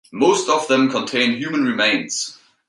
Most of them contain human remains.